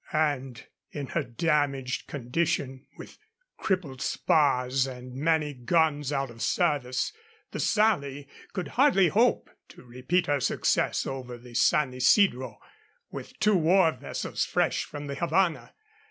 And in her damaged condition, with crippled spars and many guns out of service, the Sally could hardly hope to repeat her success over the San Isidro with two war vessels fresh from the Havana.